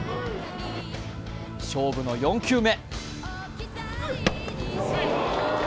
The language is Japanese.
勝負の４球目。